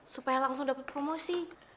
supaya langsung dapet promosi